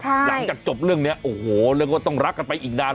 หลังจากจบเรื่องนี้เราก็ต้องรักกันไปอีกนาน